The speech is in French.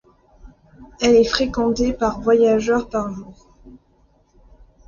Elle est fréquentée par voyageurs par jour.